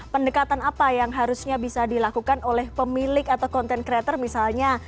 pendekatan apa yang harusnya bisa dilakukan oleh pemilik atau content creator misalnya